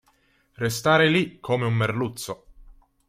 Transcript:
Restare lì come un merluzzo.